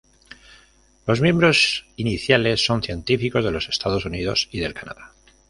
Los miembros iniciales son científicos de los Estados Unidos y del Canadá.